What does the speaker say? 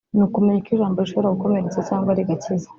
ni ukumenya uko ijambo rishobora gukomeretsa cyangwa rigakiza